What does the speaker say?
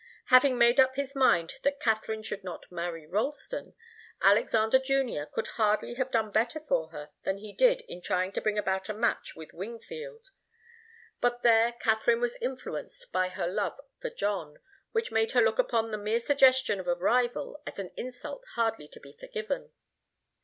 Having made up his mind that Katharine should not marry Ralston, Alexander Junior could hardly have done better for her than he did in trying to bring about a match with Wingfield. But there Katharine was influenced by her love for John, which made her look upon the mere suggestion of a rival as an insult hardly to be forgiven.